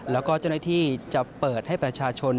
แล้วก็เจ้าหน้าที่จะเปิดให้ประชาชน